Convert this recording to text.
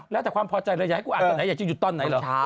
แล้วแต่ความพอใจระยะกูอาจจะอยู่ต้นไหนหรอ